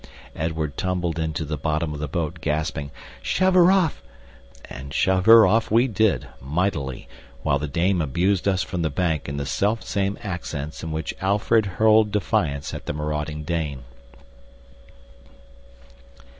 Edward tumbled into the bottom of the boat, gasping, "Shove her off!" And shove her off we did, mightily, while the dame abused us from the bank in the self same accents in which Alfred hurled defiance at the marauding Dane.